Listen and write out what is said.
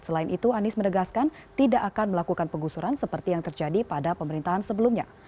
selain itu anies menegaskan tidak akan melakukan penggusuran seperti yang terjadi pada pemerintahan sebelumnya